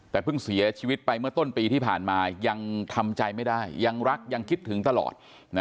แต่เพิ่งเสียชีวิตไปเมื่อต้นปีที่ผ่านมายังทำใจไม่ได้ยังรักยังคิดถึงตลอด